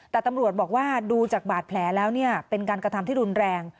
แต่ตำรวจบอกว่าดูจากบาดแผลแล้วเป็นการกระทำที่รุนแรง